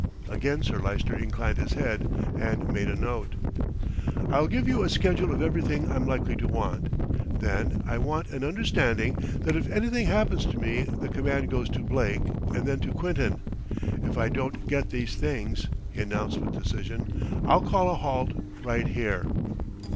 Again Sir Lyster inclined his head and made a note. "I'll give you a schedule of everything I'm likely to want. Then I want an undertaking that if anything happens to me the command goes to Blake and then to Quinton. If I don't get these things," he announced with decision, "I'll call a halt right here."